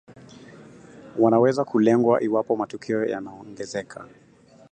wanaweza kulengwa iwapo matukio yanaongezeka